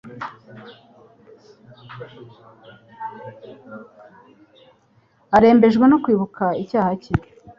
Arembejwe no kwibuka icyaha cye,